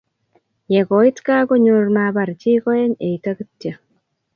ya koit gaa ko konyor ma bar jii koeny eito kityo